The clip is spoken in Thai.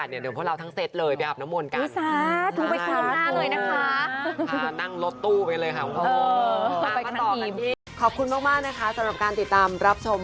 สำหรับการติดตามรับชม